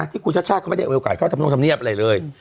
นะที่คู่ชัดเขาไม่ได้โอกาสเข้าในธรรมเนี้ยบอะไรเลย